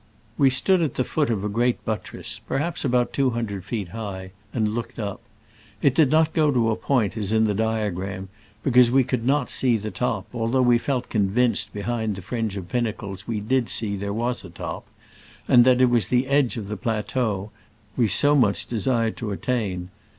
We stood at the foot of a gfcfkf^Httress — perhaps about two hundred feet high — and look ed up. It did not go to a point as in the diagram, because we could not see the top, although we felt convinced that behind the fringe of pin nacles we did see there was a top, and that it was the edge of the pla .y\^r^ teau we BUTTKBSSBS OF MONT PELVOUX. much desired to attain.